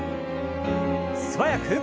素早く。